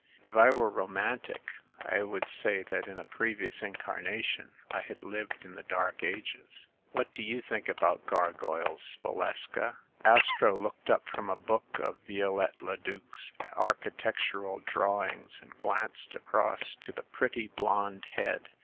If I were roman tic, I would say that in a previous incarnation I had lived in the dark ages. What do you think about gar goyles, Valeska?" Astro looked up from a book of Viollet le Duc's architectural drawings and glanced across to the pretty blond head.